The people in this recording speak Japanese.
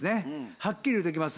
はっきり言うときます。